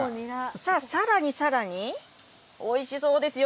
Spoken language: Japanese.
さらにさらに、おいしそうですよ。